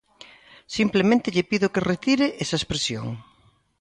Simplemente lle pido que retire esa expresión.